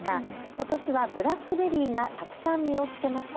ことしはブラックベリーがたくさん実をつけました。